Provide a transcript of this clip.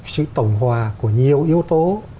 sự tổng hòa của nhiều yếu tố